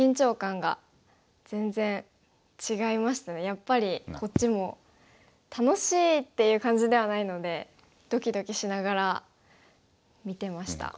やっぱりこっちも楽しいっていう感じではないのでドキドキしながら見てました。